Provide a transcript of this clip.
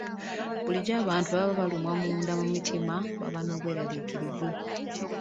Bulijjo abantu bwe baba balumwa munda mu mitima baba n'obweraliikirivu.